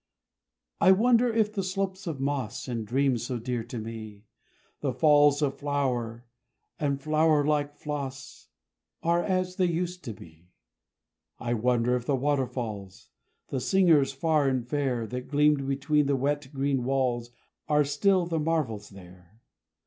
I wonder if the slopes of moss, In dreams so dear to me The falls of flower, and flower like floss Are as they used to be! I wonder if the waterfalls, The singers far and fair, That gleamed between the wet, green walls, Are still the marvels there!